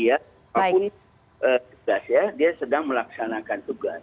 apalagi dia sedang melaksanakan tugas